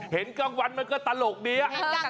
เห็นกลางวันมันก็ตลกดี